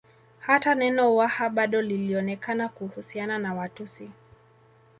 Hata neno Waha bado lilionekana kuhusiana na Watusi